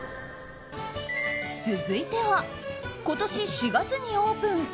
続いては、今年４月にオープン。